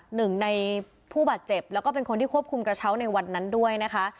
หนึ่งในผู้บาดเจ็บแล้วก็เป็นคนที่ควบคุมกระเช้าในวันนั้นด้วยนะคะ